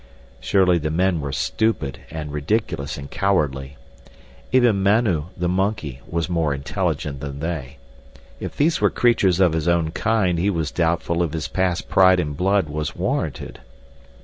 Surely the men were stupid and ridiculous and cowardly. Even Manu, the monkey, was more intelligent than they. If these were creatures of his own kind he was doubtful if his past pride in blood was warranted.